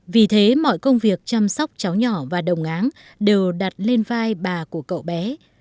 vì thế mọi công việc chăm sóc cháu nhỏ và đồng áng đều đặt lên vai bà của cậu bé